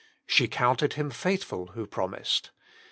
"She counted Him faithful who promised."